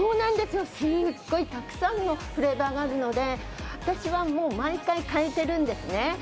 すごいたくさんのフレーバーがあるので私はもう毎回変えてるんですね